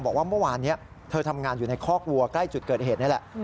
บอกว่าเมื่อวานนี้เธอทำงานอยู่ในคอกวัวใกล้จุดเกิดเหตุนี่แหละ